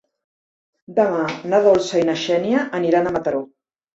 Demà na Dolça i na Xènia aniran a Mataró.